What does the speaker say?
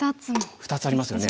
２つありますよね。